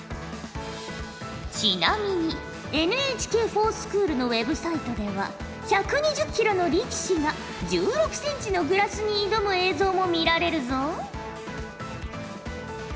ちなみにＮＨＫｆｏｒＳｃｈｏｏｌのＷｅｂサイトでは１２０キロの力士が１６センチのグラスに挑む映像も見られるぞ。